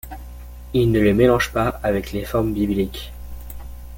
Il ne les mélange pas avec les formes bibliques.